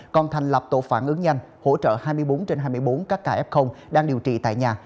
còn thành lập tổ phản ứng nhanh hỗ trợ hai mươi bốn trên hai mươi bốn các ca f đang điều trị tại nhà